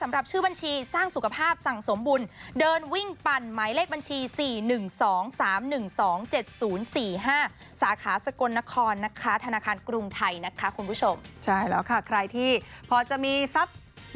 มาช่วยกันร่วมบริจาคกันได้นะครับ